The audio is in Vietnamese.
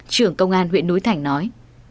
trưởng công an huyện núi thành nói